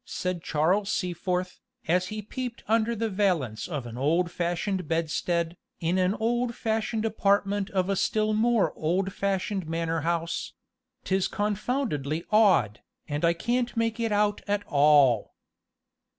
said Charles Seaforth, as he peeped under the valance of an old fashioned bedstead, in an old fashioned apartment of a still more old fashioned manor house; "'tis confoundedly odd, and I can't make it out at all.